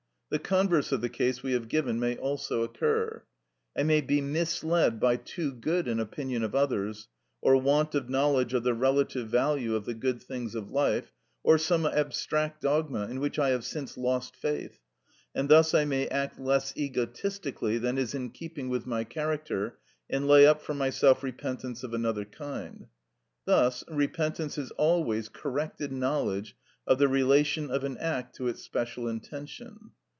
The converse of the case we have given may also occur. I may be misled by too good an opinion of others, or want of knowledge of the relative value of the good things of life, or some abstract dogma in which I have since lost faith, and thus I may act less egotistically than is in keeping with my character, and lay up for myself repentance of another kind. Thus repentance is always corrected knowledge of the relation of an act to its special intention.